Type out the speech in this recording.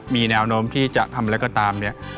มีแนวโน้มที่จะทำอะไรก็ตามเนี่ย